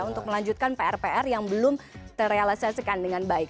untuk melanjutkan pr pr yang belum terrealisasikan dengan baik